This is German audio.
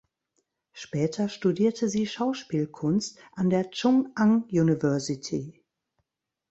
Später studierte sie Schauspielkunst an der Chung-Ang University.